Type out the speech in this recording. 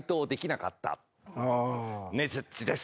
ねづっちです。